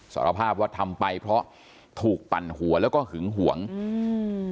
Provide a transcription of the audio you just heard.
สารภาพว่าทำไปเพราะถูกปั่นหัวแล้วก็หึงหวงอืม